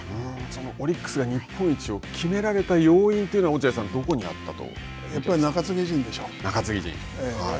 そのオリックスが日本一を決められた要因というのは落合さん、やっぱり中継ぎ陣でしょう。